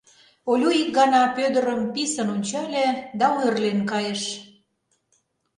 Олю ик гана Пӧдырым писын ончале да ойырлен кайыш.